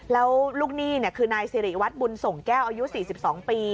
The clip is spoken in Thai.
แล้วลูกหนี้คือนายสิริวัตรบุญส่งแก้วอายุ๔๒ปี